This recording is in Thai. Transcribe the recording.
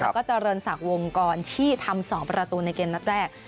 แล้วก็เจริญศักดิ์วงกรที่ทำ๒ประตูในเกมนัดแรก